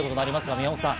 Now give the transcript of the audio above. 宮本さん。